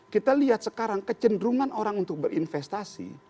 kita lihat sekarang kecenderungan orang untuk berinvestasi